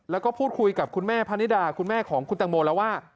แล้วก็พูดคุยกับคุณแม่พะนิดาคุณแม่ของคุณตังโมแล้วว่า